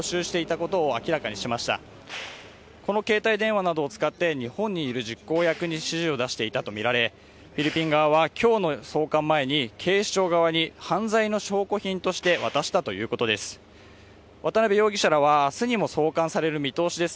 この携帯電話などを使って日本にいる実行役に指示を出していたとみられフィリピン側は今日の送還前に警視庁側に犯罪の証拠品として渡したということです。